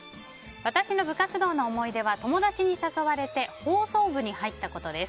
私の部活動の思い出は友達に誘われて放送部に入ったことです。